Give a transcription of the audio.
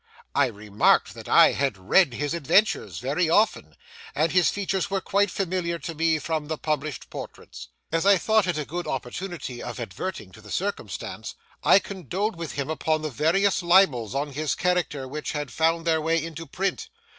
I remarked that I had read his adventures very often, and his features were quite familiar to me from the published portraits. As I thought it a good opportunity of adverting to the circumstance, I condoled with him upon the various libels on his character which had found their way into print.